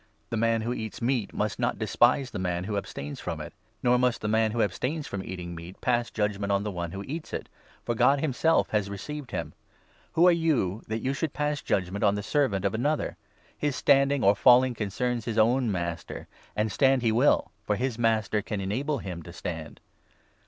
The man 3 who eats meat must not despise the man who abstains from it ; nor must the man who abstains from eating meat pass judgement on the one who eats it, for God himself has received him. Who are you, that you should pass judgement on the 4 servant of another ? His standing or falling concerns his own master. And stand he will, for his Master can enable him to stand.